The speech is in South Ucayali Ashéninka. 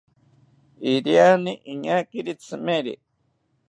Iriani iñakiri tzimeri